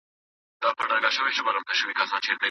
تبعیض د انساني کرامت خلاف کار دی.